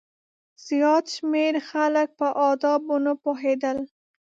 زیات شمېر خلک په آدابو نه پوهېدل.